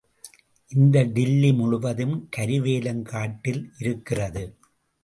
இந்த டில்லி முழுவதும் கருவேலங் காட்டில் இருக்கிறது.